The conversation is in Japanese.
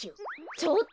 ちょっと！